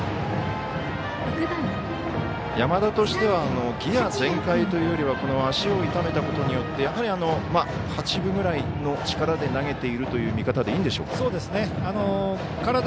山田としてはギヤ全開というよりは足を痛めたことによって８分ぐらいの力で投げているという見方でいいんでしょうか。